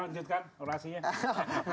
kita lanjutkan orasinya